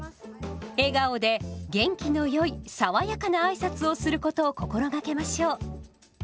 笑顔で元気のよい爽やかなあいさつをすることを心がけましょう。